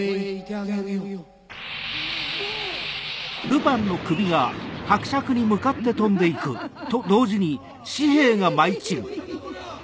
あっ！